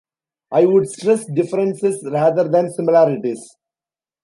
I would stress differences rather than similarities.